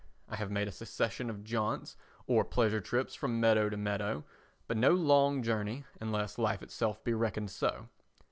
I have made a succession of jaunts or pleasure trips from meadow to meadow, but no long journey unless life itself be reckoned so.